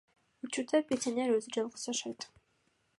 Учурда пенсионер өзү жалгыз жашайт.